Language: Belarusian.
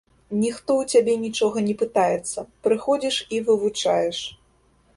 Ніхто ў цябе нічога не пытаецца, прыходзіш і вывучаеш.